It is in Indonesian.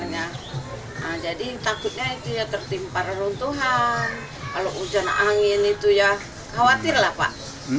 nah jadi takutnya itu ya tertimpa reruntuhan kalau hujan angin itu ya khawatir lah pak